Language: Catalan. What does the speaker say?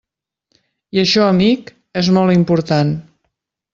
I això, amic, és molt important.